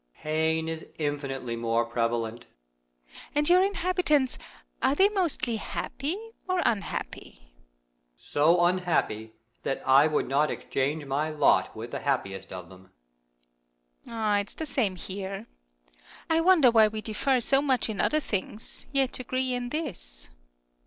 Pain is infinitely more prevalent. Earth. And your inhabitants, are they mostly happy or unhappy ? Moon. So unhappy that I would not exchange my lot with the happiest of them. THE EARTH AND THE MOON. 47 Earth. It is tlie same here. I wonder why we differ so much in other things, yet agree in this.